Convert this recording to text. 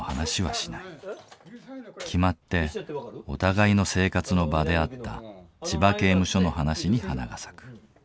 決まってお互いの生活の場であった千葉刑務所の話に花が咲く。